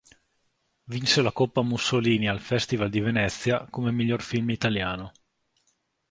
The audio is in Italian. Vinse la Coppa Mussolini al Festival di Venezia come miglior film italiano.